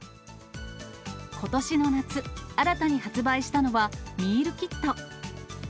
ことしの夏、新たに発売したのはミールキット。